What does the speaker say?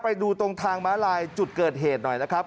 ไปดูตรงทางม้าลายจุดเกิดเหตุหน่อยนะครับ